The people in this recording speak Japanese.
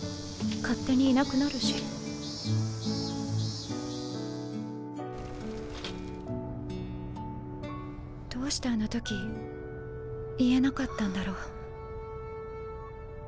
勝手にいなくなるしどうしてあの時言えなかったんだろう